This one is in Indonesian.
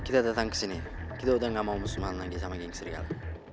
kita datang kesini kita udah gak mau musuh malam lagi sama geng serigala